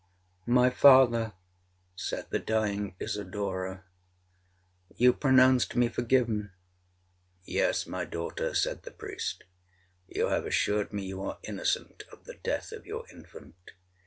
'My father,' said the dying Isidora, 'you pronounced me forgiven.'—'Yes, my daughter,' said the priest, 'you have assured me you are innocent of the death of your infant.'